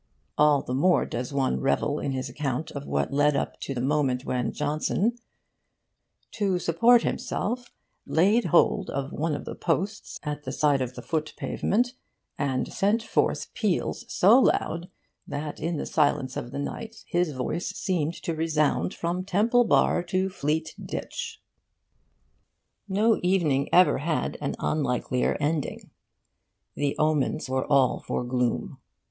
All the more does one revel in his account of what led up to the moment when Johnson 'to support himself, laid hold of one of the posts at the side of the foot pavement, and sent forth peals so loud that in the silence of the night his voice seemed to resound from Temple Bar to Fleet Ditch.' No evening ever had an unlikelier ending. The omens were all for gloom.